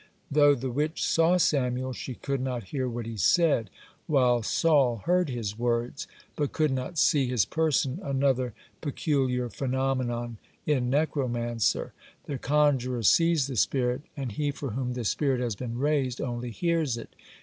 Though the witch saw Samuel, she could not hear what he said, while Saul heard his words, but could not see his person another peculiar phenomenon in necromancy: the conjuror sees the spirit, and he for whom the spirit had been raised only hears it.